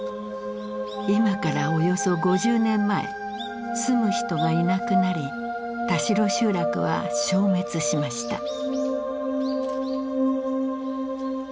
今からおよそ５０年前住む人がいなくなり田代集落は消滅しました。